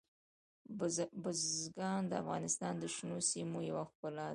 بزګان د افغانستان د شنو سیمو یوه ښکلا ده.